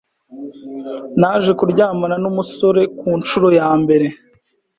naje kuryamana n’umusore ku nshuro ya mbere